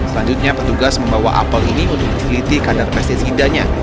selanjutnya petugas membawa apel ini untuk diliti kadar pesticidanya